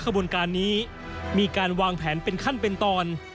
ขบวนการนี้มีการวางแผนเป็นขั้นเป็นตอน